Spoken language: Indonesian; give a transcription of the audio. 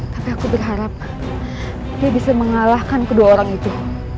tapi aku berharap dia bisa mengalahkan kedua orang itu